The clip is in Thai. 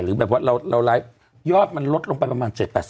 แบบว่าเราไลฟ์ยอดมันลดลงไปประมาณ๗๘๐